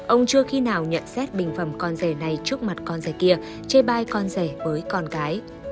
ông chưa khi nào nhận xét bình phẩm con rẻ này trước mặt con rẻ kia chê bai con rẻ với con cái